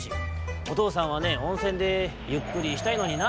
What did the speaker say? おとうさんはねおんせんでゆっくりしたいのにな。